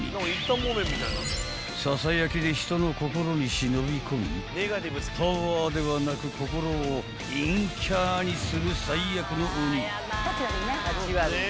［ささやきで人の心に忍び込みパワーではなく心を陰キャにする最悪の鬼］